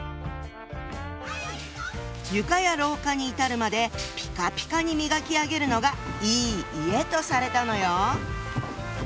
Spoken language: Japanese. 床や廊下に至るまでピカピカに磨き上げるのがいい家とされたのよ。